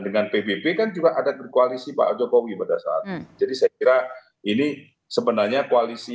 dengan pbb kan juga ada berkoalisi pak jokowi pada saat jadi saya kira ini sebenarnya koalisi